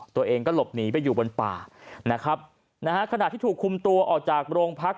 ตัวเองก็หลบหนีไปอยู่บนป่าขณะที่ถูกคุมตัวออกจากโรงพรรค